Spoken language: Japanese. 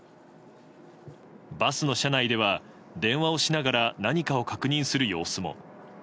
バスの車内では、電話をしながら何かを確認する様子も。